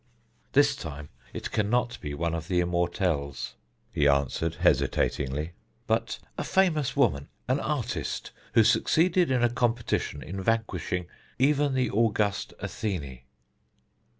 "This time it can not be one of the immortelles," he answered hesitatingly, "but a famous woman, an artist who succeeded in a competition in vanquishing even the august Athene."